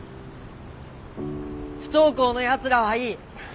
不登校のやつらはいい。